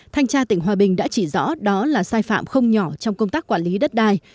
thanh tra tỉnh hòa bình đã chỉ rõ đó là sai phạm không nhỏ trong công tác quản lý đất đai